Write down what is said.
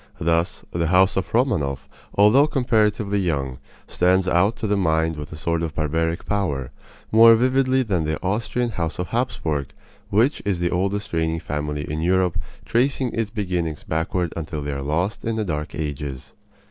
Thus, the house of Romanoff, although comparatively young, stands out to the mind with a sort of barbaric power, more vividly than the Austrian house of Hapsburg, which is the oldest reigning family in Europe, tracing its beginnings backward until they are lost in the Dark Ages.